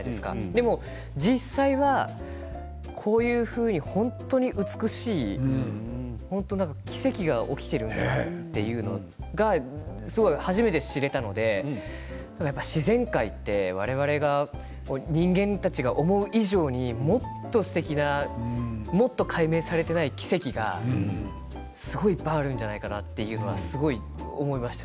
でも実際はこういうふうに本当に美しい奇跡が起きているんだなって初めて知ることができたので自然界って我々が人間たちが思う以上に、もっとすてきなもっと解明されていない奇跡がいっぱいあるんじゃないかなと今すごい思いました。